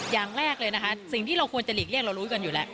อย่างแรกเลยนะคะสิ่งที่เราควรจะหลีกเลี่ยเรารู้กันอยู่แล้ว